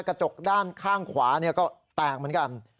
กระจกด้านข้างขวาก็แตกเหมือนกัน